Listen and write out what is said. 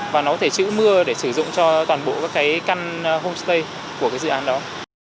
và nó có thể chữ mưa để sử dụng cho toàn bộ căn homestay của dự án đó